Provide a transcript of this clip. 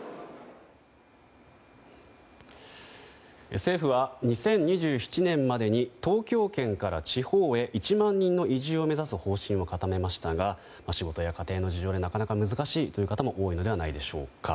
政府は２０２７年までに東京圏から地方へ１万人の移住を目指す方針を固めましたが仕事や家庭の事情でなかなか難しいという方も多いのではないのでしょうか。